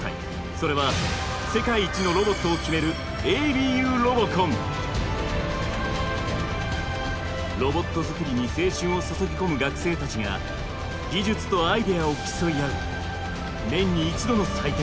それは世界一のロボットを決めるロボット作りに青春を注ぎ込む学生たちが技術とアイデアを競い合う年に１度の祭典だ。